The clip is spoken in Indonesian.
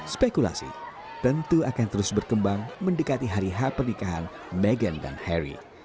spekulasi tentu akan terus berkembang mendekati hari h pernikahan meghan dan harry